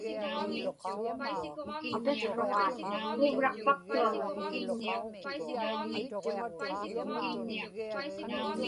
Puuvraqpaktuaŋa.